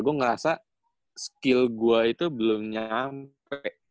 gue ngerasa skill gue itu belum nyampe